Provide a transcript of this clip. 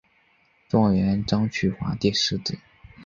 状元张去华第十子。